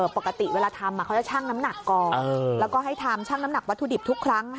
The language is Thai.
ปกติเวลาทำเขาจะชั่งน้ำหนักก่อนแล้วก็ให้ทำช่างน้ำหนักวัตถุดิบทุกครั้ง